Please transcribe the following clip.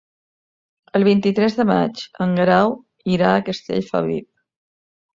El vint-i-tres de maig en Guerau irà a Castellfabib.